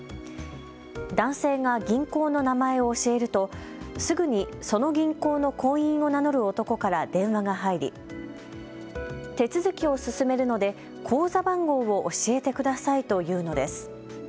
男性が銀行の名前を教えるとすぐにその銀行の行員を名乗る男から電話が入り手続きを進めるので口座番号を教えてくださいと言うのです。